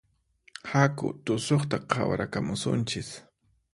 Haku tusuqta qhawarakamusunchis